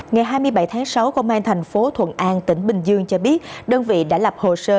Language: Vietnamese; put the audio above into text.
ngày hai mươi bảy tháng sáu công an thành phố thuận an tỉnh bình dương cho biết đơn vị đã lập hồ sơ